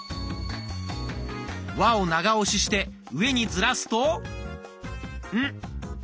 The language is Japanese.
「わ」を長押しして上にずらすと「ん」。